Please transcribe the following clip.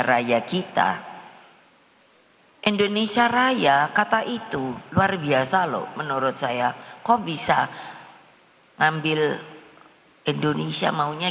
raya kita indonesia raya kata itu luar biasa loh menurut saya kok bisa ngambil indonesia maunya